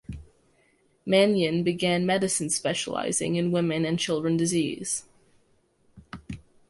Manion began medicine specializing in women and children disease.